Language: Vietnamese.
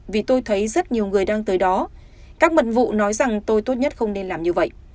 vì tôi thấy rất nhiều người đang tới đó các mật vụ nói rằng tôi tốt nhất không nên làm như vậy